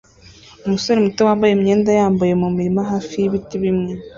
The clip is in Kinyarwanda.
Umusore muto wambaye imyenda yambaye mumurima hafi yibiti bimwe